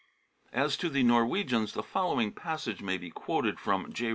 As to the Norwegians, the following passage may be quoted from J.